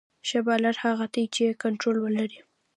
ښه بالر هغه دئ، چي کنټرول ولري.